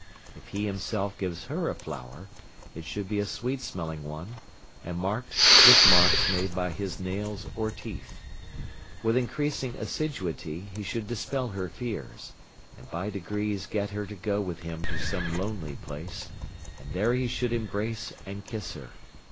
If he himself gives her a flower it should be a sweet smelling one, and marked with marks made by his nails or teeth. With increasing assiduity he should dispel her fears, and by degrees get her to go with him to some lonely place, and there he should embrace and kiss her.